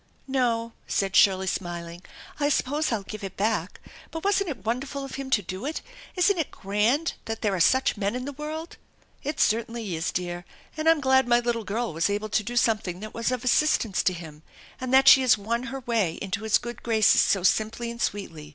"" No," said Shirley, smiling ;" I suppose I'll give it beck, /but wasn't it wonderful of him to do it? Isn't it grand that there are such men in the world ??* THE ENCHANTED BARN 235 "It certainly is, dear, and I'm glad my little girl was able to do something that was of assistance to him ; and that she has won her way into his good graces so simply and sweetly.